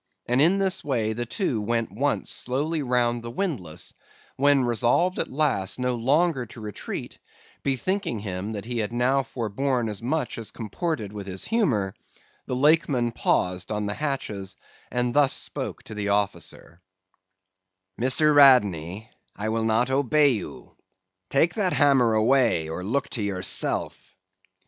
And in this way the two went once slowly round the windlass; when, resolved at last no longer to retreat, bethinking him that he had now forborne as much as comported with his humor, the Lakeman paused on the hatches and thus spoke to the officer: "'Mr. Radney, I will not obey you. Take that hammer away, or look to yourself.